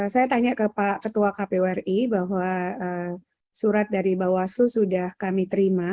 saya tanya ke pak ketua kpwri bahwa surat dari bawaslu sudah kami terima